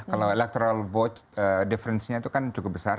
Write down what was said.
kalau electoral vote difference nya itu kan cukup besar